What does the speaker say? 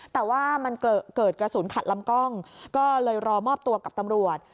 แต่ว่ามันเกิดกระสุนขัดลำกล้องก็เลยรอมอบตัวกับตำรวจ